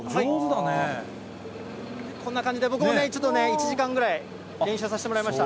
こんな感じで僕もね、ちょっとね、１時間ぐらい練習させてもらいました。